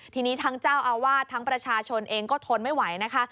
ทีนี้ทั้งเจ้าอาวาสทั้งประชาชนเองก็ทนไม่ไหวนะคะ